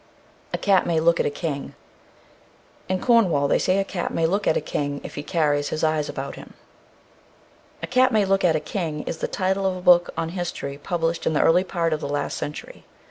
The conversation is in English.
A cat may look at a king. In Cornwall they say a cat may look at a king if he carries his eyes about him. "A Cat may Look at a King," is the title of a book on history, published in the early part of the last century.